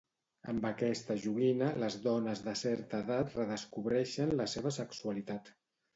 Amb aquesta joguina, les dones de certa edat redescobreixen la seva sexualitat.